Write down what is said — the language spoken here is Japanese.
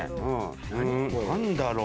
何だろう？